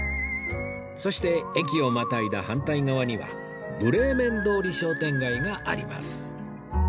そして駅をまたいだ反対側にはブレーメン通り商店街があります